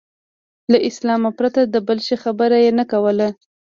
له اسلام پرته د بل شي خبره یې نه کوله.